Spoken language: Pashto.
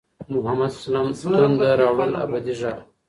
محمده "ص"تنده راوړل ابدي ږغ